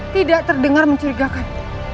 tidak terdengar mencurigakan